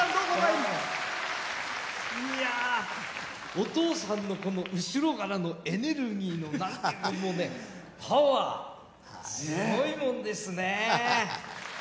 お父さんの後ろからのエネルギーが、もうねパワー、すごいもんですね。